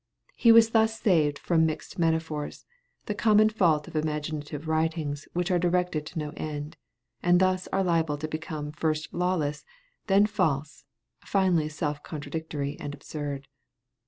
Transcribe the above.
He was thus saved from mixed metaphors, the common fault of imaginative writings which are directed to no end, and thus are liable to become first lawless, then false, finally self contradictory and absurd.